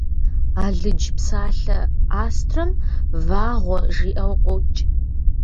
Алыдж псалъэ «астрэм» «вагъуэ» жиӏэу къокӏ.